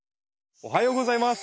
おはようございます。